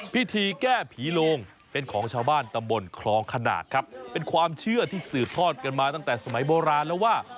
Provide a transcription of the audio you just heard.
พิธีแก้ผีโลงเป็นของชาวบ้านตำบลคลองขนาดครับเป็นความเชื่อที่สืบทอดกันมาตั้งแต่สมัยโบราณแล้วว่า